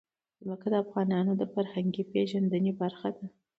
ځمکه د افغانانو د فرهنګي پیژندنې برخه ده.